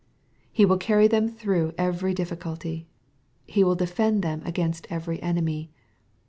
He will carry them through every difficulty. He will defend them against every enemy.